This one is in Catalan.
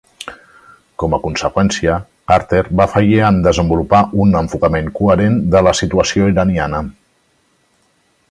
Com a conseqüència, Carter va fallir en desenvolupar un enfocament coherent de la situació iraniana.